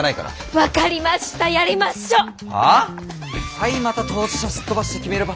はいまた当事者すっ飛ばして決めるパターン。